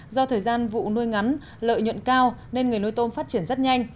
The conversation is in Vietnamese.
do thời gian vụ nuôi ngắn lợi nhuận cao nên người nuôi tôm phát triển rất nhanh